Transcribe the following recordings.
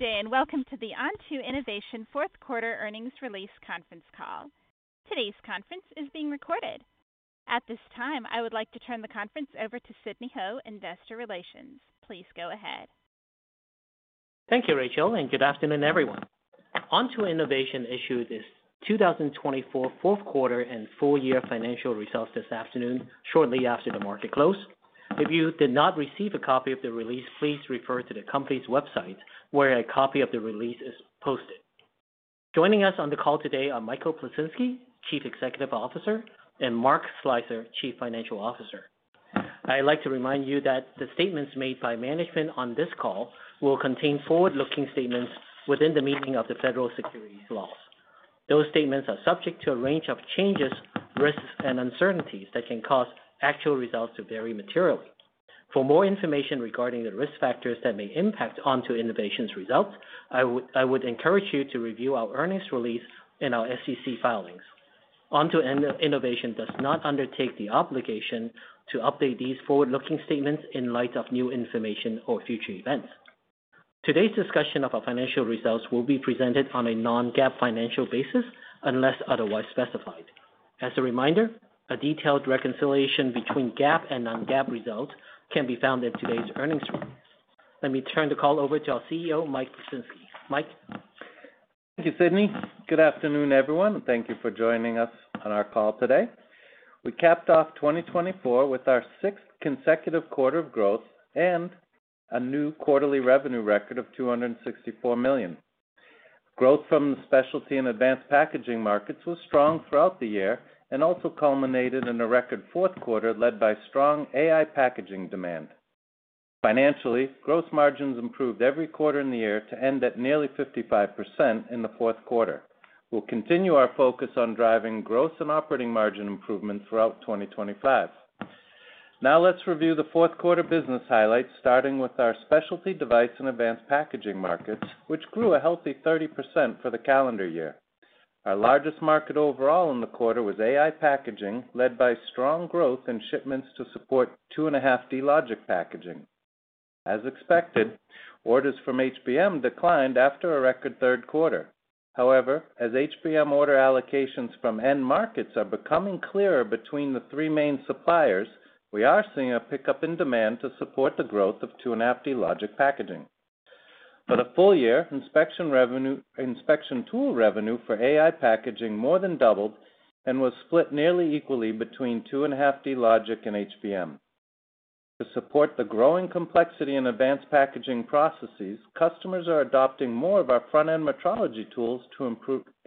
Good day, and welcome to the Onto Innovation Q4 earnings release conference call. Today's conference is being recorded. At this time, I would like to turn the conference over to Sidney Ho, Investor Relations. Please go ahead. Thank you, Rachel, and good afternoon, everyone. Onto Innovation issued its 2024 Q4 and full year financial results this afternoon, shortly after the market close. If you did not receive a copy of the release, please refer to the company's website where a copy of the release is posted. Joining us on the call today are Michael Plisinski, Chief Executive Officer, and Mark Slicer, Chief Financial Officer. I'd like to remind you that the statements made by management on this call will contain forward-looking statements within the meaning of the federal securities laws. Those statements are subject to a range of changes, risks, and uncertainties that can cause actual results to vary materially. For more information regarding the risk factors that may impact Onto Innovation's results, I would encourage you to review our earnings release and our SEC filings. Onto Innovation does not undertake the obligation to update these forward-looking statements in light of new information or future events. Today's discussion of our financial results will be presented on a non-GAAP financial basis unless otherwise specified. As a reminder, a detailed reconciliation between GAAP and non-GAAP results can be found in today's earnings report. Let me turn the call over to our CEO, Mike Plisinski. Mike. Thank you, Sidney. Good afternoon, everyone, and thank you for joining us on our call today. We capped off 2024 with our sixth consecutive quarter of growth and a new quarterly revenue record of $264 million. Growth from the specialty and advanced packaging markets was strong throughout the year and also culminated in a record Q4 led by strong AI packaging demand. Financially, gross margins improved every quarter in the year to end at nearly 55% in the Q4. We'll continue our focus on driving gross and operating margin improvements throughout 2025. Now let's review the Q4 business highlights, starting with our specialty device and advanced packaging markets, which grew a healthy 30% for the calendar year. Our largest market overall in the quarter was AI packaging, led by strong growth in shipments to support 2.5D logic packaging. As expected, orders from HBM declined after a record Q3. However, as HBM order allocations from end markets are becoming clearer between the three main suppliers, we are seeing a pickup in demand to support the growth of 2.5D logic packaging. For the full year, inspection tool revenue for AI packaging more than doubled and was split nearly equally between 2.5D logic and HBM. To support the growing complexity in advanced packaging processes, customers are adopting more of our front-end metrology tools to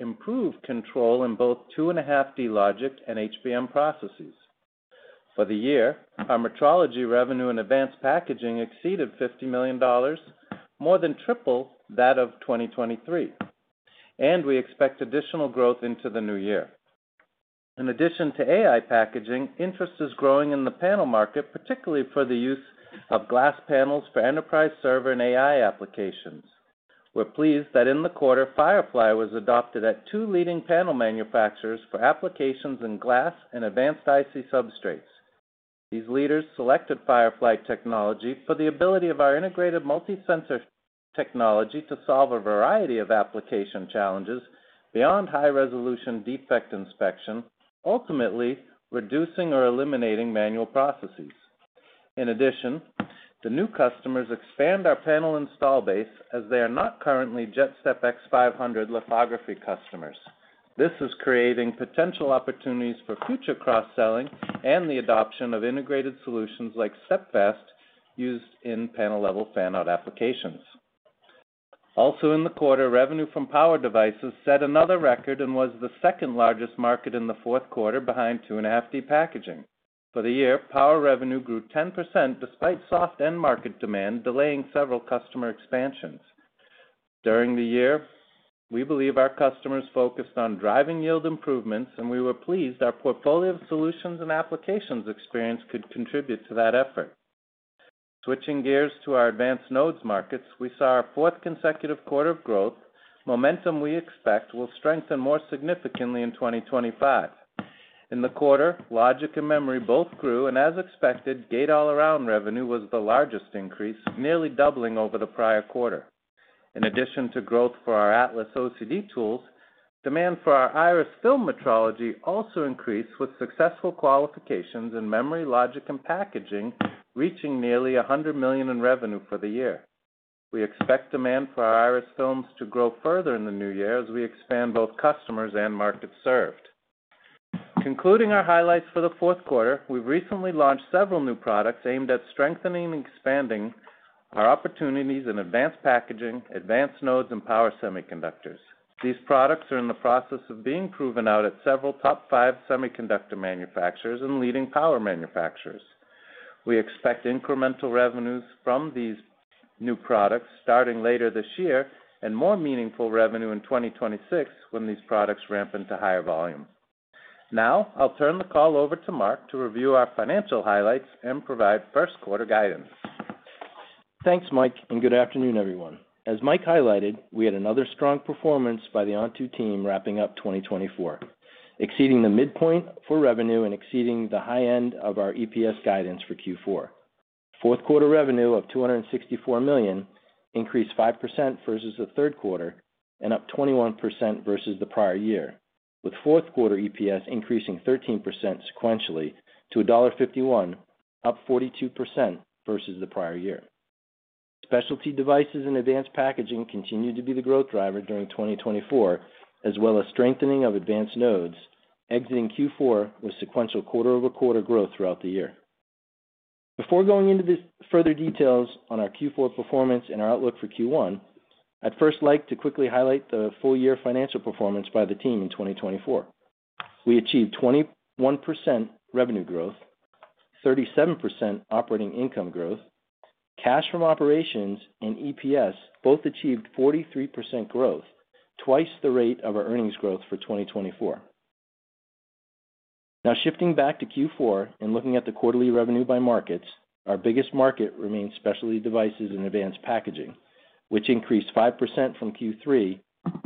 improve control in both 2.5D logic and HBM processes. For the year, our metrology revenue in advanced packaging exceeded $50 million, more than triple that of 2023, and we expect additional growth into the new year. In addition to AI packaging, interest is growing in the panel market, particularly for the use of glass panels for enterprise server and AI applications. We're pleased that in the quarter, Firefly was adopted at two leading panel manufacturers for applications in glass and advanced IC substrates. These leaders selected Firefly technology for the ability of our integrated multi-sensor technology to solve a variety of application challenges beyond high-resolution defect inspection, ultimately reducing or eliminating manual processes. In addition, the new customers expand our panel install base as they are not currently JetStep X500 lithography customers. This is creating potential opportunities for future cross-selling and the adoption of integrated solutions like StepFAST used in panel-level fan-out applications. Also, in the quarter, revenue from power devices set another record and was the second largest market in the Q4, behind 2.5D packaging. For the year, power revenue grew 10% despite soft end market demand delaying several customer expansions. During the year, we believe our customers focused on driving yield improvements, and we were pleased, our portfolio of solutions and applications experience could contribute to that effort. Switching gears to our advanced nodes markets, we saw our fourth consecutive quarter of growth. Momentum, we expect, will strengthen more significantly in 2025. In the quarter, logic and memory both grew, and as expected, gate-all-around revenue was the largest increase, nearly doubling over the prior quarter. In addition to growth for our Atlas OCD tools, demand for our Iris film metrology also increased with successful qualifications in memory, logic, and packaging, reaching nearly $100 million in revenue for the year. We expect demand for our Iris films to grow further in the new year as we expand both customers and markets served. Concluding our highlights for the Q4, we've recently launched several new products aimed at strengthening and expanding our opportunities in advanced packaging, advanced nodes, and power semiconductors. These products are in the process of being proven out at several top five semiconductor manufacturers and leading power manufacturers. We expect incremental revenues from these new products starting later this year and more meaningful revenue in 2026 when these products ramp into higher volume. Now, I'll turn the call over to Mark to review our financial highlights and provide Q1 guidance. Thanks, Mike, and good afternoon, everyone. As Mike highlighted, we had another strong performance by the Onto team wrapping up 2024, exceeding the midpoint for revenue and exceeding the high end of our EPS guidance for Q4. Q4 revenue of $264 million increased 5% versus the Q3 and up 21% versus the prior year, with Q4 EPS increasing 13% sequentially to $1.51, up 42% versus the prior year. Specialty devices and advanced packaging continue to be the growth driver during 2024, as well as strengthening of advanced nodes, exiting Q4 with sequential quarter-over-quarter growth throughout the year. Before going into further details on our Q4 performance and our outlook for Q1, I'd first like to quickly highlight the full year financial performance by the team in 2024. We achieved 21% revenue growth, 37% operating income growth, cash from operations, and EPS both achieved 43% growth, twice the rate of our earnings growth for 2024. Now, shifting back to Q4 and looking at the quarterly revenue by markets, our biggest market remains specialty devices and advanced packaging, which increased 5% from Q3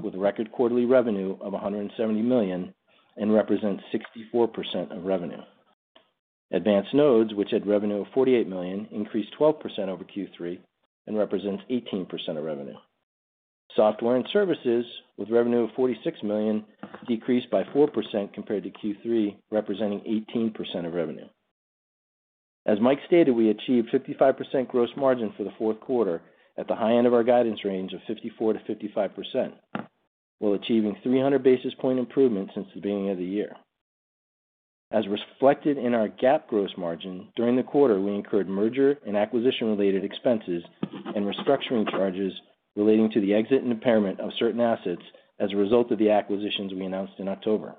with a record quarterly revenue of $170 million and represents 64% of revenue. Advanced nodes, which had revenue of $48 million, increased 12% over Q3 and represents 18% of revenue. Software and services, with revenue of $46 million, decreased by 4% compared to Q3, representing 18% of revenue. As Mike stated, we achieved 55% gross margin for the Q4 at the high end of our guidance range of 54% to 55%, while achieving 300 basis points improvements since the beginning of the year. As reflected in our GAAP gross margin, during the quarter, we incurred merger and acquisition-related expenses and restructuring charges relating to the exit and impairment of certain assets as a result of the acquisitions we announced in October.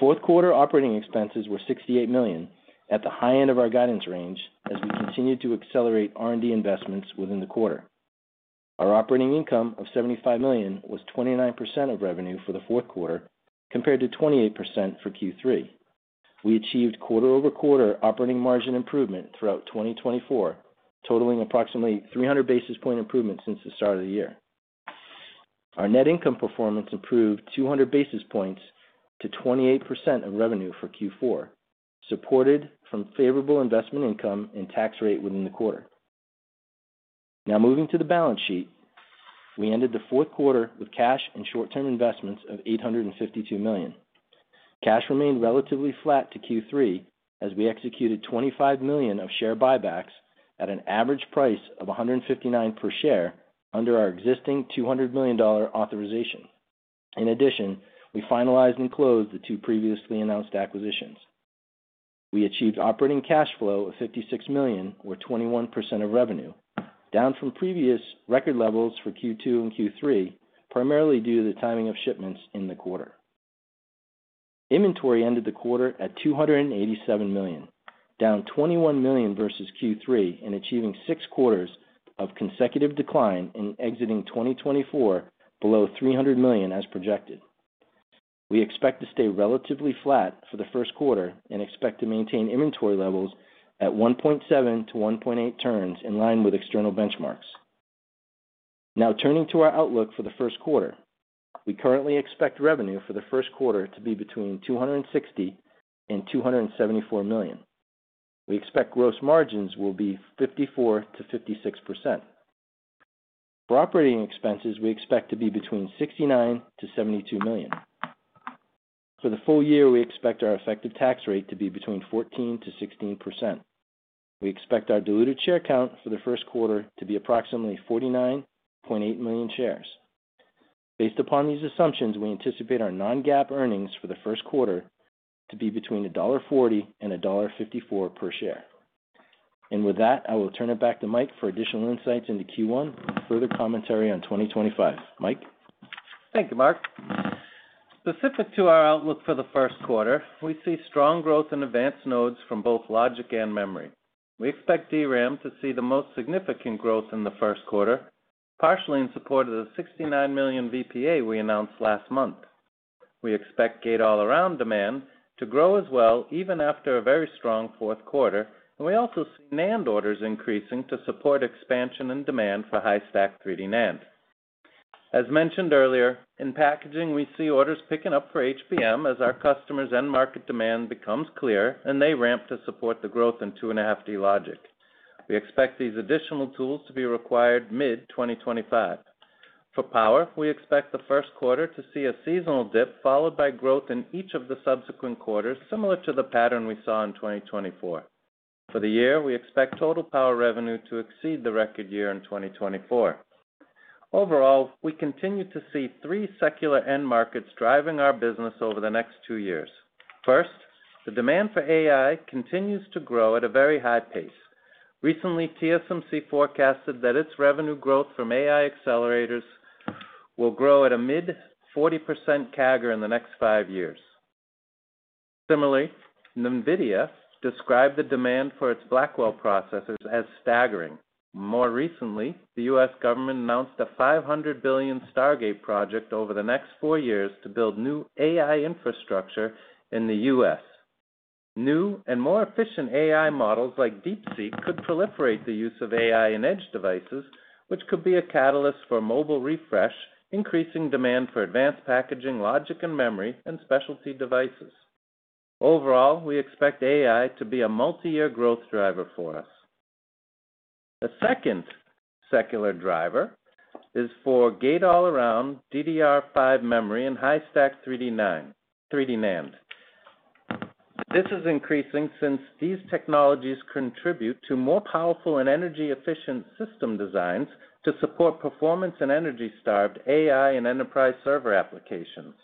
Q4 operating expenses were $68 million at the high end of our guidance range as we continued to accelerate R&D investments within the quarter. Our operating income of $75 million was 29% of revenue for the Q4 compared to 28% for Q3. We achieved quarter-over-quarter operating margin improvement throughout 2024, totaling approximately 300 basis points improvements since the start of the year. Our net income performance improved 200 basis points to 28% of revenue for Q4, supported from favorable investment income and tax rate within the quarter. Now, moving to the balance sheet, we ended the Q4 with cash and short-term investments of $852 million. Cash remained relatively flat to Q3 as we executed $25 million of share buybacks at an average price of $159 per share under our existing $200 million authorization. In addition, we finalized and closed the two previously announced acquisitions. We achieved operating cash flow of $56 million, or 21% of revenue, down from previous record levels for Q2 and Q3, primarily due to the timing of shipments in the quarter. Inventory ended the quarter at $287 million, down $21 million versus Q3 and achieving six quarters of consecutive decline and exiting 2024 below $300 million as projected. We expect to stay relatively flat for the Q1 and expect to maintain inventory levels at 1.7 to 1.8 turns in line with external benchmarks. Now, turning to our outlook for the Q1, we currently expect revenue for the Q1 to be between $260 and $274 million. We expect gross margins will be 54%-56%. For operating expenses, we expect to be between $69-72 million. For the full year, we expect our effective tax rate to be between 14%-16%. We expect our diluted share count for the Q1 to be approximately 49.8 million shares. Based upon these assumptions, we anticipate our non-GAAP earnings for the Q1 to be between $1.40 and $1.54 per share. And with that, I will turn it back to Mike for additional insights into Q1 and further commentary on 2025. Mike. Thank you, Mark. Specific to our outlook for the Q1, we see strong growth in advanced nodes from both logic and memory. We expect DRAM to see the most significant growth in the Q1, partially in support of the $69 million VPA we announced last month. We expect gate-all-around demand to grow as well even after a very strong Q4, and we also see NAND orders increasing to support expansion and demand for high-stack 3D NAND. As mentioned earlier, in packaging, we see orders picking up for HBM as our customers' end market demand becomes clearer and they ramp to support the growth in 2.5D Logic. We expect these additional tools to be required mid-2025. For power, we expect the Q1 to see a seasonal dip followed by growth in each of the subsequent quarters, similar to the pattern we saw in 2024. For the year, we expect total power revenue to exceed the record year in 2024. Overall, we continue to see three secular end markets driving our business over the next two years. First, the demand for AI continues to grow at a very high pace. Recently, TSMC forecasted that its revenue growth from AI accelerators will grow at a mid-40% CAGR in the next five years. Similarly, NVIDIA described the demand for its Blackwell processors as staggering. More recently, the U.S. government announced a $500 billion Stargate project over the next four years to build new AI infrastructure in the U.S. New and more efficient AI models like DeepSeek could proliferate the use of AI in edge devices, which could be a catalyst for mobile refresh, increasing demand for advanced packaging, logic, and memory and specialty devices. Overall, we expect AI to be a multi-year growth driver for us. The second secular driver is for gate-all-around DDR5 memory and high-stack 3D NAND. This is increasing since these technologies contribute to more powerful and energy-efficient system designs to support performance and energy-starved AI and enterprise server applications.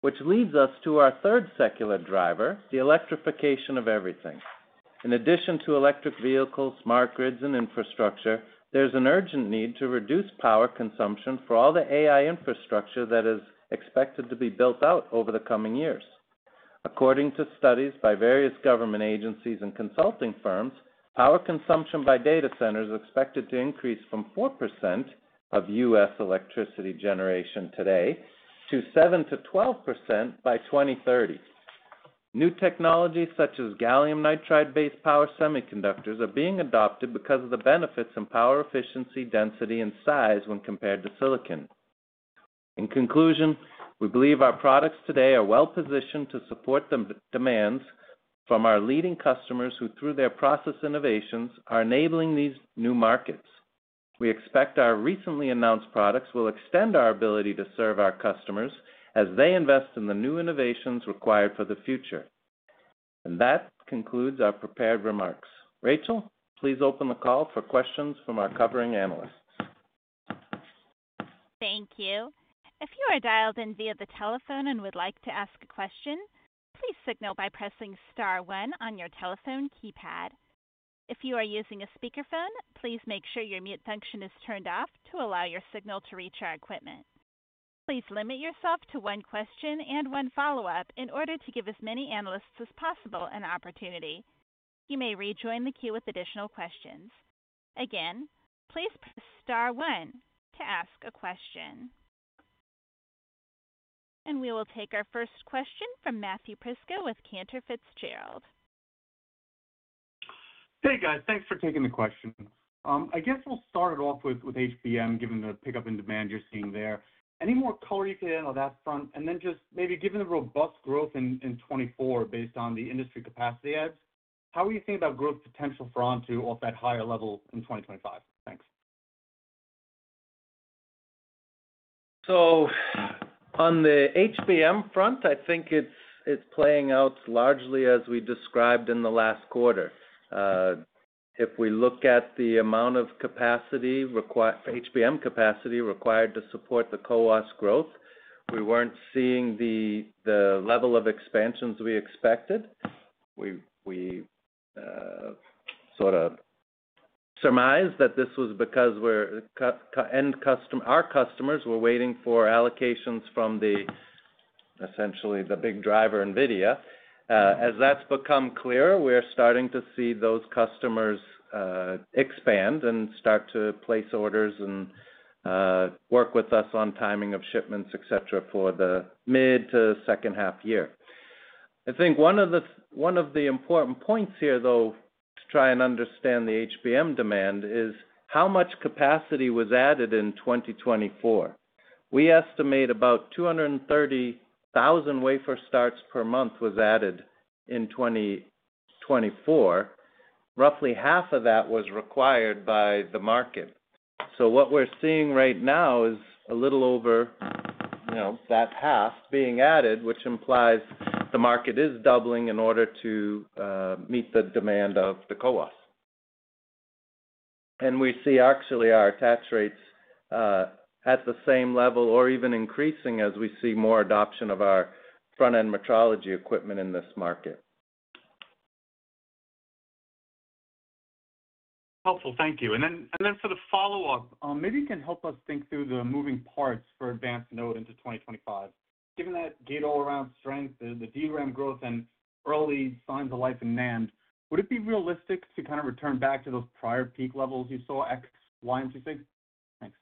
Which leads us to our third secular driver, the electrification of everything. In addition to electric vehicles, smart grids, and infrastructure, there's an urgent need to reduce power consumption for all the AI infrastructure that is expected to be built out over the coming years. According to studies by various government agencies and consulting firms, power consumption by data centers is expected to increase from 4% of U.S. electricity generation today to 7%-12% by 2030. New technologies such as gallium nitride-based power semiconductors are being adopted because of the benefits in power efficiency, density, and size when compared to silicon. In conclusion, we believe our products today are well-positioned to support the demands from our leading customers who, through their process innovations, are enabling these new markets. We expect our recently announced products will extend our ability to serve our customers as they invest in the new innovations required for the future. And that concludes our prepared remarks. Rachel, please open the call for questions from our covering analysts. Thank you. If you are dialed in via the telephone and would like to ask a question, please signal by pressing star one on your telephone keypad. If you are using a speakerphone, please make sure your mute function is turned off to allow your signal to reach our equipment. Please limit yourself to one question and one follow-up in order to give as many analysts as possible an opportunity. You may rejoin the queue with additional questions. Again, please press star one to ask a question, and we will take our first question from Matthew Prisco with Cantor Fitzgerald. Hey, guys. Thanks for taking the question. I guess we'll start it off with HBM, given the pickup in demand you're seeing there, and then just maybe given the robust growth in 2024 based on the industry capacity edge, how are you thinking about growth potential for Onto off that higher level in 2025? Thanks. On the HBM front, I think it's playing out largely as we described in the last quarter. If we look at the amount of capacity required for HBM to support the CoWoS's growth, we weren't seeing the level of expansions we expected. We sort of surmised that this was because our customers were waiting for allocations from essentially the big driver, NVIDIA. As that's become clearer, we're starting to see those customers expand and start to place orders and work with us on timing of shipments, etc., for the mid- to second-half year. I think one of the important points here, though, to try and understand the HBM demand is how much capacity was added in 2024. We estimate about 230,000 wafer starts per month was added in 2024. Roughly half of that was required by the market. So what we're seeing right now is a little over that half being added, which implies the market is doubling in order to meet the demand of the CoWoS. And we see actually our attach rates at the same level or even increasing as we see more adoption of our front-end metrology equipment in this market. Helpful. Thank you. And then for the follow-up, maybe you can help us think through the moving parts for advanced node into 2025. Given that gate-all-around strength, the DRAM growth, and early signs of life in NAND, would it be realistic to kind of return back to those prior peak levels you saw in 2026? Thanks.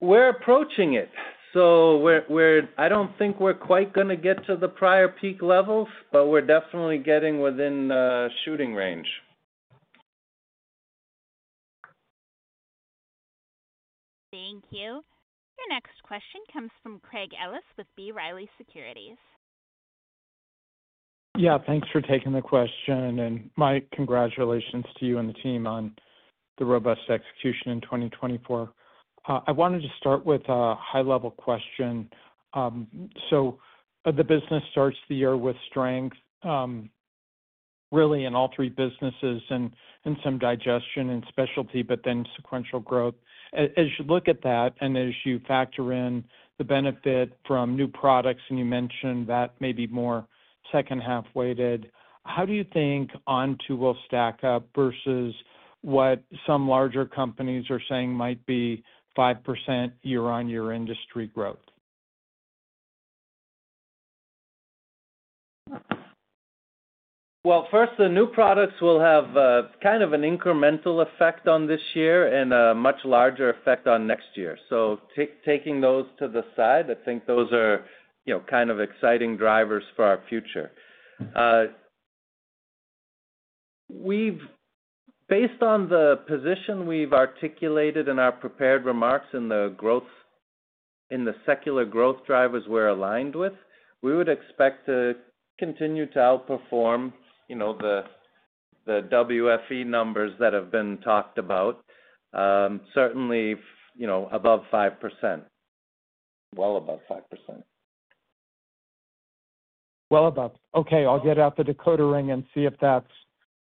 We're approaching it. So I don't think we're quite going to get to the prior peak levels, but we're definitely getting within shooting range. Thank you. Your next question comes from Craig Ellis with B. Riley Securities. Yeah, thanks for taking the question. And Mike, congratulations to you and the team on the robust execution in 2024. I wanted to start with a high-level question. So the business starts the year with strength, really, in all three businesses and some digestion and specialty, but then sequential growth. As you look at that and as you factor in the benefit from new products, and you mentioned that may be more second-half weighted, how do you think Onto will stack up versus what some larger companies are saying might be 5% year-on-year industry growth? Well, first, the new products will have kind of an incremental effect on this year and a much larger effect on next year. So taking those to the side, I think those are kind of exciting drivers for our future. Based on the position we've articulated in our prepared remarks in the secular growth drivers we're aligned with, we would expect to continue to outperform the WFE numbers that have been talked about, certainly above 5%, well above 5%. Well above. Okay. I'll get out the decoder ring and see if that's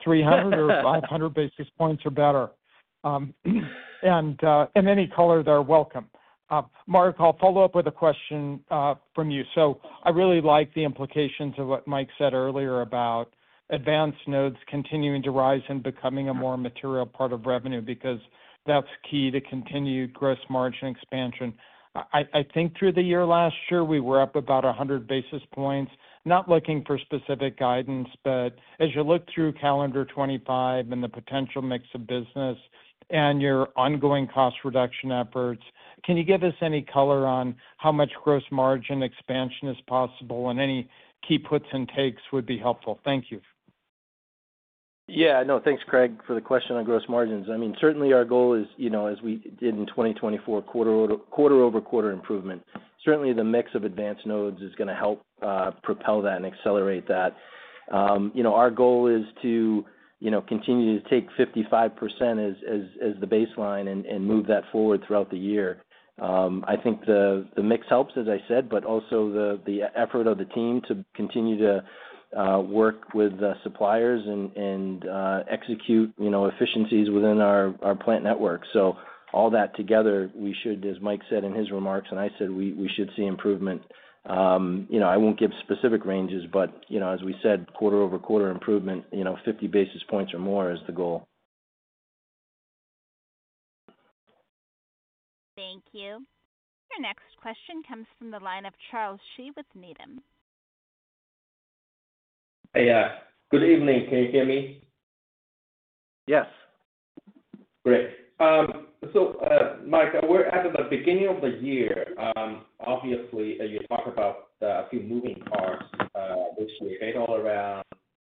300 or 500 basis points or better. And any color there, welcome. Mark, I'll follow up with a question from you. So I really like the implications of what Mike said earlier about advanced nodes continuing to rise and becoming a more material part of revenue because that's key to continued gross margin expansion. I think through the year last year, we were up about 100 basis points, not looking for specific guidance, but as you look through calendar 2025 and the potential mix of business and your ongoing cost reduction efforts, can you give us any color on how much gross margin expansion is possible, and any key puts and takes would be helpful? Thank you. Yeah. No, thanks, Craig, for the question on gross margins. I mean, certainly our goal is, as we did in 2024, quarter-over-quarter improvement. Certainly, the mix of advanced nodes is going to help propel that and accelerate that. Our goal is to continue to take 55% as the baseline and move that forward throughout the year. I think the mix helps, as I said, but also the effort of the team to continue to work with suppliers and execute efficiencies within our plant network. So all that together, we should, as Mike said in his remarks, and I said, we should see improvement. I won't give specific ranges, but as we said, quarter-over-quarter improvement, 50 basis points or more is the goal. Thank you. Your next question comes from the line of Charles Shi with Needham & Company. Hey, good evening. Can you hear me? Yes. Great. So Mike, we're at the beginning of the year. Obviously, you talked about a few moving parts this year, gate-all-around,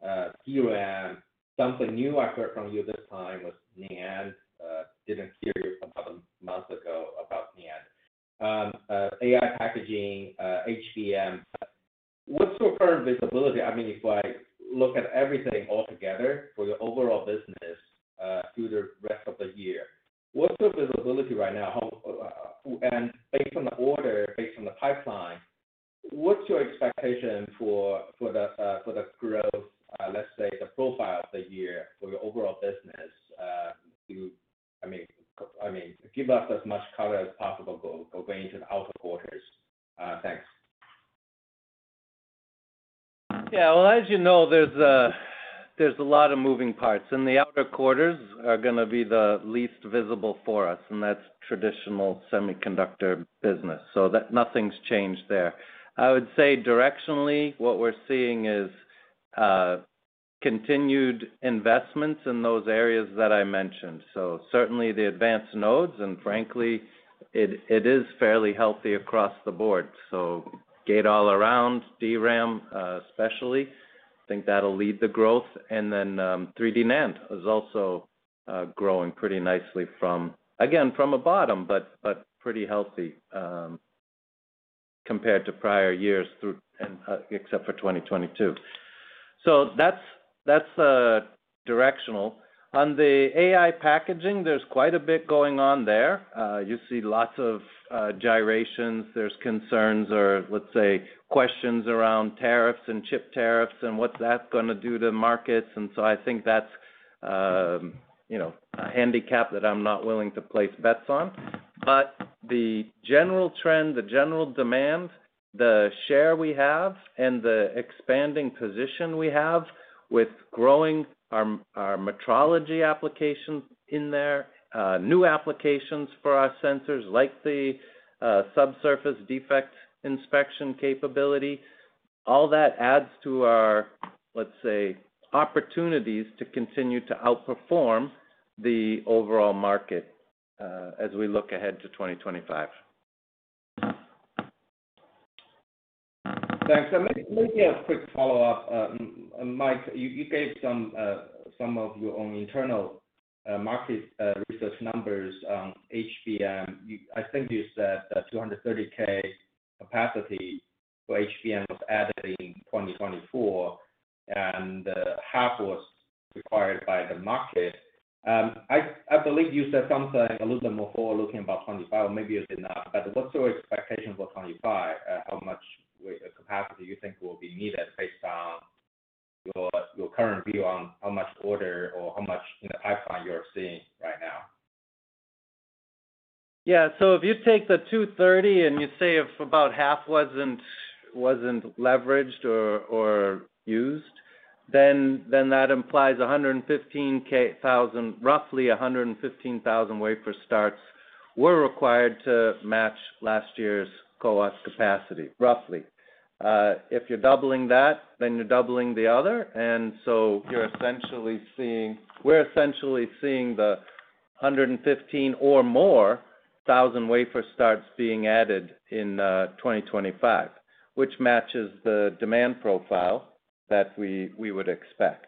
DRAM. Something new I heard from you this time was NAND. Didn't hear you a couple of months ago about NAND. AI packaging, HBM. What's your current visibility? I mean, if I look at everything altogether for your overall business through the rest of the year, what's your visibility right now? And based on the order, based on the pipeline, what's your expectation for the growth, let's say, the profile of the year for your overall business? I mean, give us as much color as possible going into the outer quarters. Thanks. Yeah. Well, as you know, there's a lot of moving parts. And the outer quarters are going to be the least visible for us, and that's traditional semiconductor business. So nothing's changed there. I would say directionally, what we're seeing is continued investments in those areas that I mentioned. So certainly the advanced nodes, and frankly, it is fairly healthy across the board. So gate-all-around, DRAM especially, I think that'll lead the growth. And then 3D NAND is also growing pretty nicely from, again, from a bottom, but pretty healthy compared to prior years, except for 2022. So that's directional. On the AI packaging, there's quite a bit going on there. You see lots of gyrations. There's concerns or, let's say, questions around tariffs and chip tariffs and what's that going to do to markets. And so I think that's a handicap that I'm not willing to place bets on. But the general trend, the general demand, the share we have, and the expanding position we have with growing our metrology applications in there, new applications for our sensors like the subsurface defect inspection capability, all that adds to our, let's say, opportunities to continue to outperform the overall market as we look ahead to 2025. Thanks. And maybe a quick follow-up. Mike, you gave some of your own internal market Lam Research numbers on HBM. I think you said 230K capacity for HBM was added in 2024, and half was required by the market. I believe you said something a little bit more forward-looking about 2025, or maybe you did not, but what's your expectation for 2025? How much capacity do you think will be needed based on your current view on how much order or how much in the pipeline you're seeing right now? Yeah. So if you take the 230 and you say if about half wasn't leveraged or used, then that implies 115,000, roughly 115,000 wafer starts were required to match last year's CoWoS capacity, roughly. If you're doubling that, then you're doubling the other. And so we're essentially seeing the 115 or more thousand wafer starts being added in 2025, which matches the demand profile that we would expect.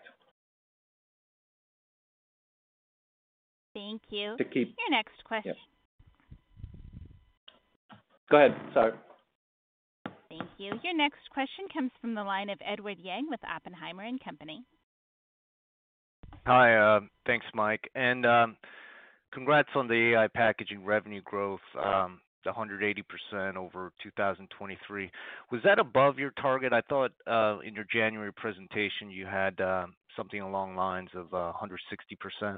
Thank you. Your next question. Go ahead. Sorry. Thank you. Your next question comes from the line of Edward Yang with Oppenheimer & Company. Hi. Thanks, Mike, and congrats on the AI packaging revenue growth, 180% over 2023. Was that above your target? I thought in your January presentation you had something along the lines of 160%.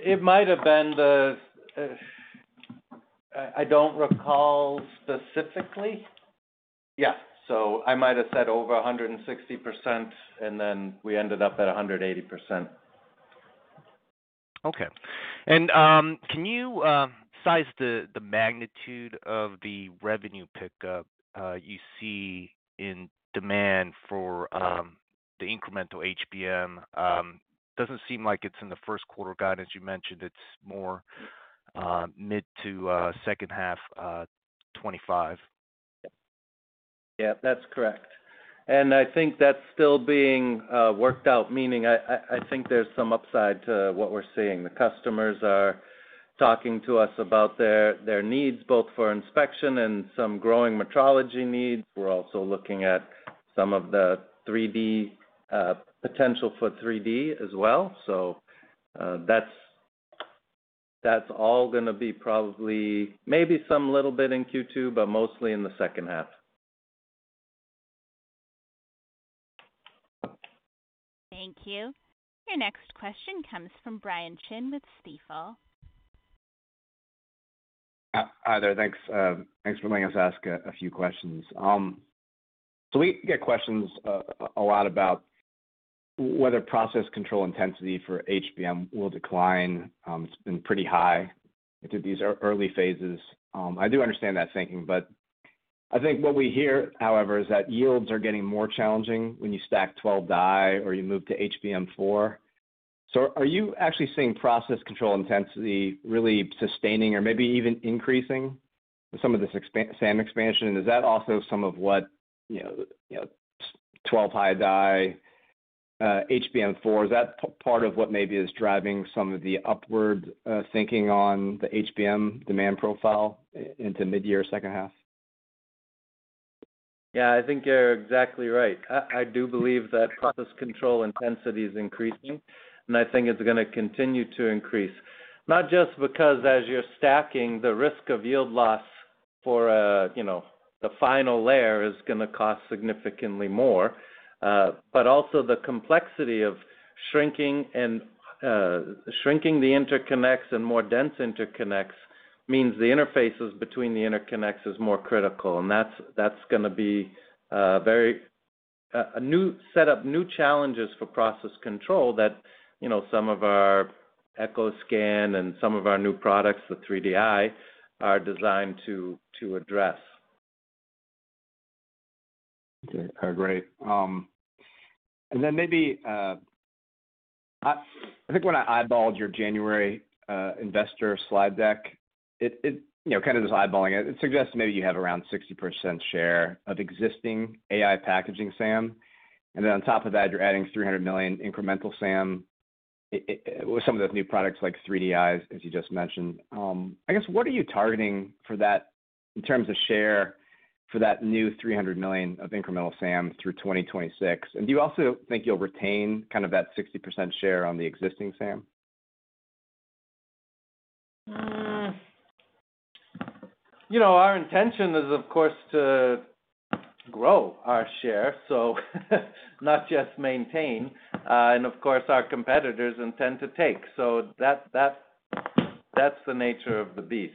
It might have been. I don't recall specifically. Yeah. So I might have said over 160%, and then we ended up at 180%. Okay. And can you size the magnitude of the revenue pickup you see in demand for the incremental HBM? Doesn't seem like it's in the Q1 guidance you mentioned. It's more mid to second half 2025. Yeah. That's correct. And I think that's still being worked out, meaning I think there's some upside to what we're seeing. The customers are talking to us about their needs both for inspection and some growing metrology needs. We're also looking at some of the 3D potential for 3D as well. So that's all going to be probably maybe some little bit in Q2, but mostly in the second half. Thank you. Your next question comes from Brian Chin with Stifel. Hi there. Thanks for letting us ask a few questions. So we get questions a lot about whether process control intensity for HBM will decline. It's been pretty high into these early phases. I do understand that thinking, but I think what we hear, however, is that yields are getting more challenging when you stack 12-die or you move to HBM4. So are you actually seeing process control intensity really sustaining or maybe even increasing with some of this SAM expansion? Is that also some of what 12-high-die HBM4? Is that part of what maybe is driving some of the upward thinking on the HBM demand profile into mid-year second half? Yeah. I think you're exactly right. I do believe that process control intensity is increasing, and I think it's going to continue to increase. Not just because as you're stacking, the risk of yield loss for the final layer is going to cost significantly more, but also the complexity of shrinking the interconnects and more dense interconnects means the interfaces between the interconnects are more critical. And that's going to be a new set of new challenges for process control that some of our EchoScan and some of our new products, the TruView 3Di, are designed to address. Okay. Great. And then maybe I think when I eyeballed your January investor slide deck, kind of just eyeballing it, it suggests maybe you have around 60% share of existing AI packaging SAM. And then on top of that, you're adding $300 million incremental SAM with some of those new products like TruView3Di, as you just mentioned. I guess, what are you targeting for that in terms of share for that new $300 million of incremental SAM through 2026? And do you also think you'll retain kind of that 60% share on the existing SAM? Our intention is, of course, to grow our share, so not just maintain, and of course, our competitors intend to take. So that's the nature of the beast.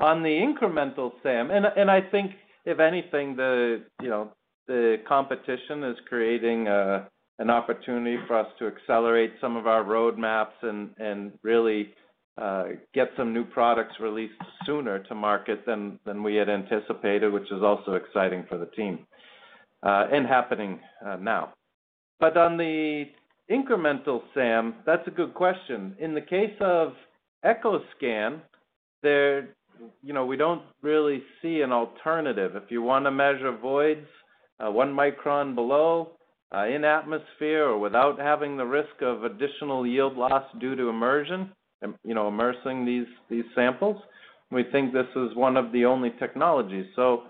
On the incremental SAM, and I think, if anything, the competition is creating an opportunity for us to accelerate some of our roadmaps and really get some new products released sooner to market than we had anticipated, which is also exciting for the team and happening now. But on the incremental SAM, that's a good question. In the case of EchoScan, we don't really see an alternative. If you want to measure voids one micron below in atmosphere or without having the risk of additional yield loss due to immersion, immersing these samples, we think this is one of the only technologies. So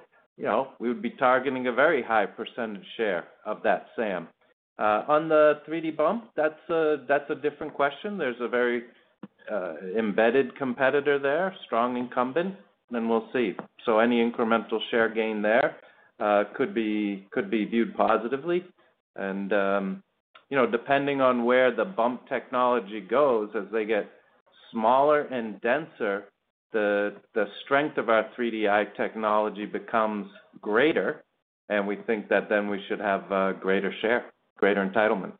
we would be targeting a very high percentage share of that SAM. On the 3D bump, that's a different question. There's a very embedded competitor there, strong incumbent, and we'll see. So any incremental share gain there could be viewed positively. And depending on where the bump technology goes, as they get smaller and denser, the strength of our TruView 3Di technology becomes greater, and we think that then we should have a greater share, greater entitlement.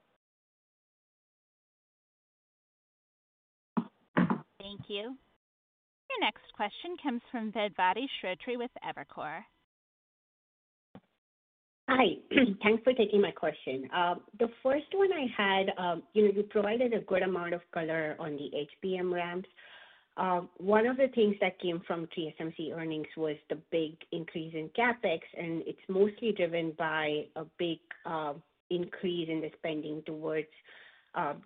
Thank you. Your next question comes from Vedvati Shrotre with Evercore ISI. Hi. Thanks for taking my question. The first one I had, you provided a good amount of color on the HBM ramps. One of the things that came from TSMC earnings was the big increase in CapEx, and it's mostly driven by a big increase in the spending towards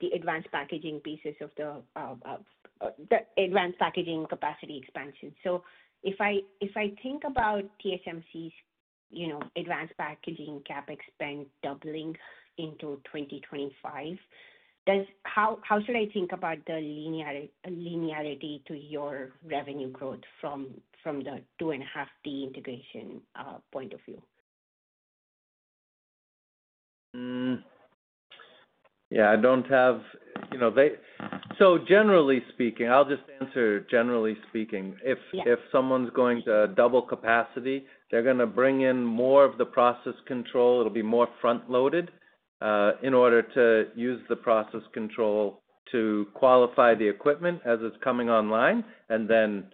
the advanced packaging pieces of the advanced packaging capacity expansion. So if I think about TSMC's advanced packaging CapEx spend doubling into 2025, how should I think about the linearity to your revenue growth from the two-and-a-half D integration point of view? Yeah. I don't have, so generally speaking, I'll just answer generally speaking. If someone's going to double capacity, they're going to bring in more of the process control. It'll be more front-loaded in order to use the process control to qualify the equipment as it's coming online and then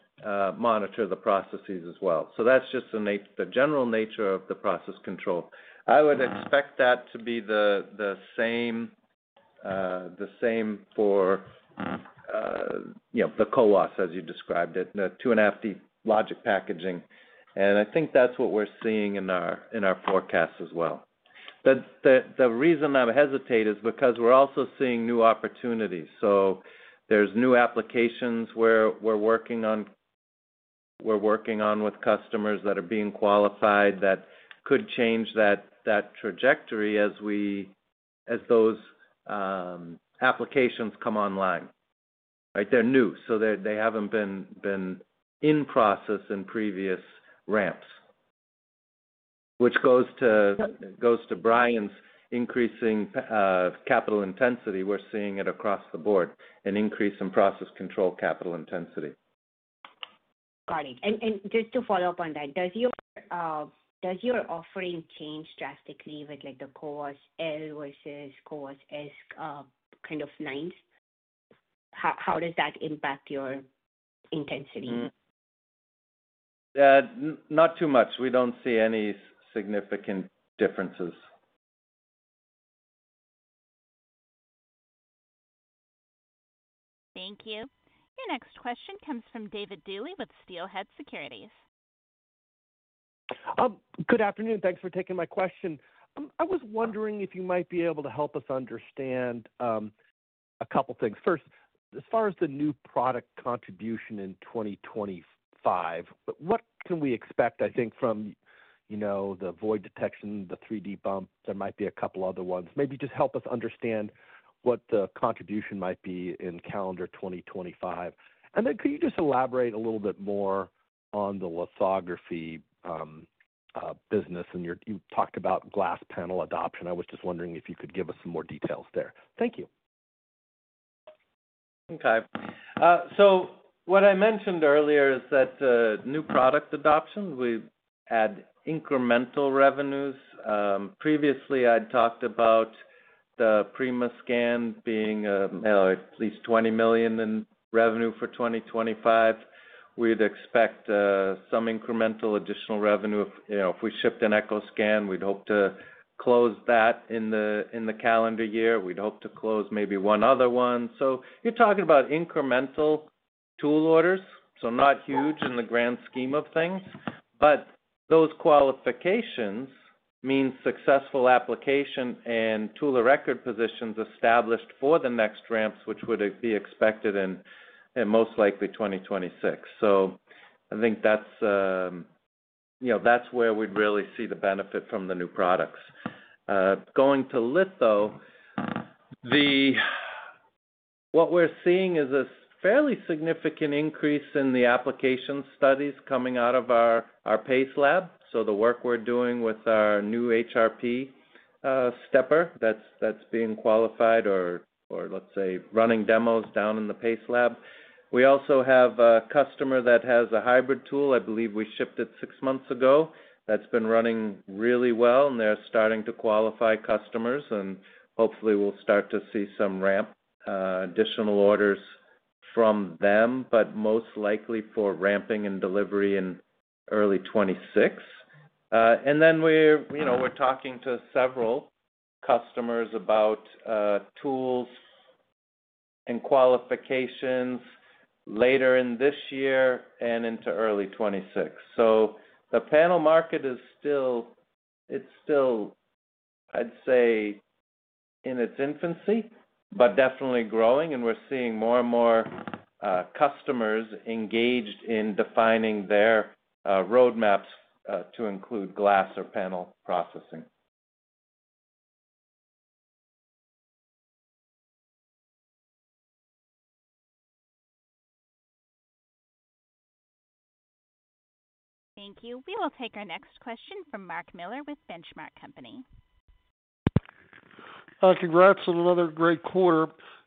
monitor the processes as well. So that's just the general nature of the process control. I would expect that to be the same for the CoWoS, as you described it, the 2.5D logic packaging. I think that's what we're seeing in our forecast as well. The reason I'm hesitant is because we're also seeing new opportunities. So there's new applications we're working on with customers that are being qualified that could change that trajectory as those applications come online. They're new, so they haven't been in process in previous ramps, which goes to Brian's increasing capital intensity. We're seeing it across the board, an increase in process control capital intensity. Got it and just to follow up on that, does your offering change drastically with the CoWoS-L versus CoWoS-S kind of lines? How does that impact your intensity? Not too much. We don't see any significant differences. Thank you. Your next question comes from David Duley with Steelhead Securities. Good afternoon. Thanks for taking my question. I was wondering if you might be able to help us understand a couple of things. First, as far as the new product contribution in 2025, what can we expect, I think, from the void detection, the 3D bump? There might be a couple of other ones. Maybe just help us understand what the contribution might be in calendar 2025. And then could you just elaborate a little bit more on the lithography business? And you talked about glass panel adoption. I was just wondering if you could give us some more details there. Thank you. Okay. So what I mentioned earlier is that new product adoption would add incremental revenues. Previously, I'd talked about the PanelScan being at least $20 million in revenue for 2025. We'd expect some incremental additional revenue. If we shipped an EchoScan, we'd hope to close that in the calendar year. We'd hope to close maybe one other one. So you're talking about incremental tool orders, so not huge in the grand scheme of things. But those qualifications mean successful application and tool record positions established for the next ramps, which would be expected in most likely 2026. So I think that's where we'd really see the benefit from the new products. Going to litho, what we're seeing is a fairly significant increase in the application studies coming out of our PACE Lab. So the work we're doing with our new HRP stepper that's being qualified or, let's say, running demos down in the PACE Lab. We also have a customer that has a hybrid tool. I believe we shipped it six months ago. That's been running really well, and they're starting to qualify customers. And hopefully, we'll start to see some ramp additional orders from them, but most likely for ramping and delivery in early 2026. And then we're talking to several customers about tools and qualifications later in this year and into early 2026. So the panel market is still, I'd say, in its infancy, but definitely growing. And we're seeing more and more customers engaged in defining their roadmaps to include glass or panel processing. Thank you. We will take our next question from Mark Miller with Benchmark Company. Congrats on another great quarter.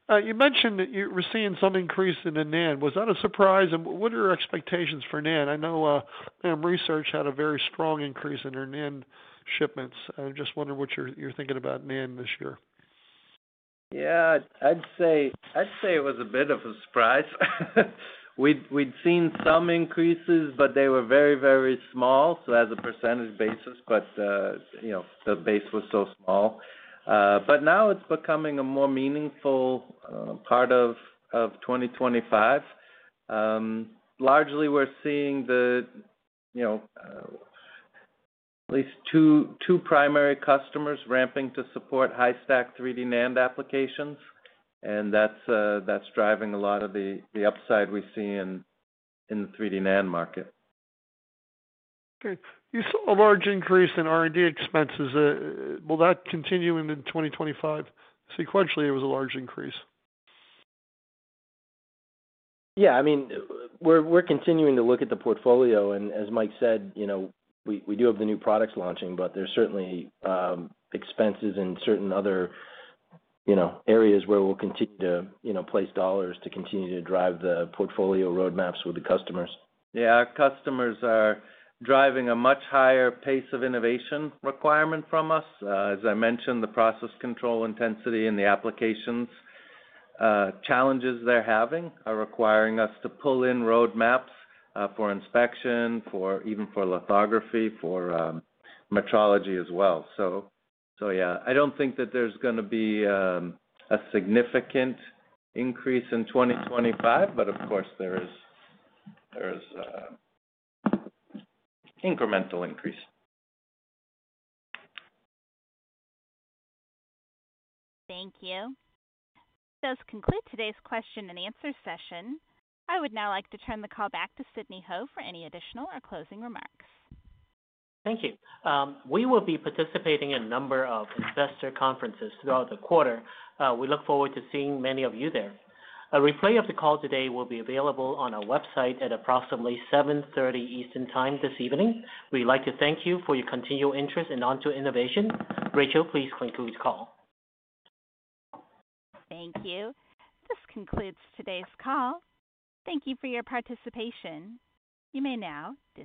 You mentioned that you were seeing some increase in the NAND. Was that a surprise? And what are your expectations for NAND? I know Research had a very strong increase in their NAND shipments. I'm just wondering what you're thinking about NAND this year. Yeah. I'd say it was a bit of a surprise. We'd seen some increases, but they were very, very small. So as a percentage basis, but the base was so small. But now it's becoming a more meaningful part of 2025. Largely, we're seeing at least two primary customers ramping to support high-stack 3D NAND applications. And that's driving a lot of the upside we see in the 3D NAND market. Okay. You saw a large increase in R&D expenses. Will that continue into 2025? Sequentially, it was a large increase. Yeah. I mean, we're continuing to look at the portfolio. And as Mike said, we do have the new products launching, but there's certainly expenses in certain other areas where we'll continue to place dollars to continue to drive the portfolio roadmaps with the customers. Yeah. Customers are driving a much higher pace of innovation requirement from us. As I mentioned, the process control intensity and the applications challenges they're having are requiring us to pull in roadmaps for inspection, even for lithography, for metrology as well. So yeah, I don't think that there's going to be a significant increase in 2025, but of course, there is incremental increase. Thank you. That does conclude today's question and answer session. I would now like to turn the call back to Sidney Ho for any additional or closing remarks. Thank you. We will be participating in a number of investor conferences throughout the quarter. We look forward to seeing many of you there. A replay of the call today will be available on our website at approximately 7:30 P.M. Eastern Time this evening. We'd like to thank you for your continued interest in Onto Innovation. Rachel, please conclude the call. Thank you. This Concludes Today's Call. Thank you for your participation. You may now disconnect.